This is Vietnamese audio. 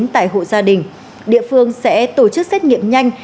tại hộ gia đình địa phương sẽ tổ chức xét nghiệm nhanh